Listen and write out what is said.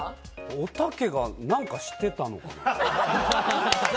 おたけが何かしてたのかな？